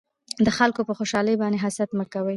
د خلکو په خوشحالۍ باندې حسد مکوئ